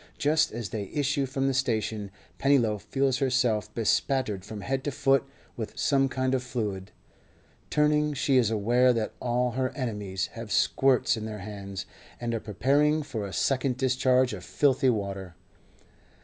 Just as they issue from the station Pennyloaf feels herself bespattered from head to foot with some kind of fluid; turning, she is aware that all her enemies have squirts in their hands, and are preparing for a second discharge of filthy water.